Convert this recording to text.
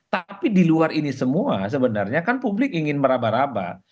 tapi di luar ini semua sebenarnya kan publik ingin meraba raba